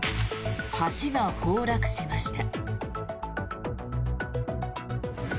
橋が崩落しました。